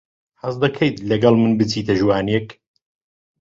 حەز دەکەیت لەگەڵ من بچیتە ژوانێک؟